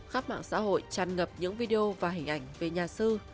khắp mạng xã hội tràn ngập những video và hình ảnh về nhà sư